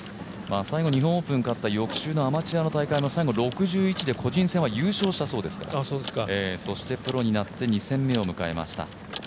最後、日本オープン勝った翌週のアマチュア大会では最後、６１で優勝したそうですからそしてプロになって２戦目を迎えました。